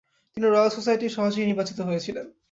তিনি রয়্যাল সোসাইটির সহযোগী নির্বাচিত হয়েছিলেন।